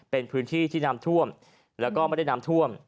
เป็นพื้นที่ที่น้ำท่วมแล้วก็ไม่ได้น้ำท่วม